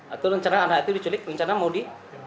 atau rencana anak itu diculik rencana mau di